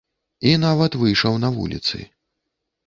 І нават выйшаў на вуліцы.